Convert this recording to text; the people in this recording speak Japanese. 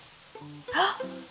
あっ！